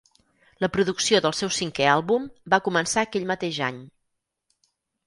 La producció del seu cinquè àlbum va començar aquell mateix any.